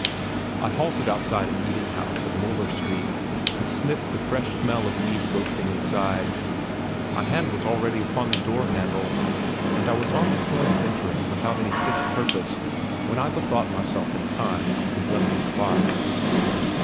I halted outside an eating house in Möller Street, and sniffed the fresh smell of meat roasting inside; my hand was already upon the door handle, and I was on the point of entering without any fixed purpose, when I bethought myself in time, and left the spot.